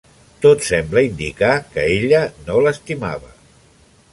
Tot sembla indicar que ella no l'estimava.